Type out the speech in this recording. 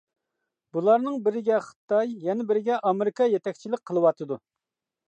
بۇنىڭ بىرىگە خىتاي، يەنە بىرىگە ئامېرىكا يېتەكچىلىك قىلىۋاتىدۇ.